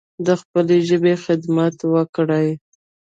د خپلې ژبې خدمت وکړﺉ